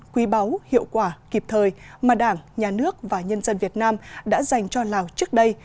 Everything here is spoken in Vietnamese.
quý báu hiệu quả kịp thời mà đảng nhà nước và nhân dân việt nam đã dành cho lào trước đây